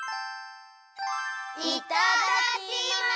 いただきます！